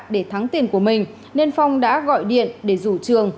để thắng tiền của mình nên phong đã gọi điện để rủ trường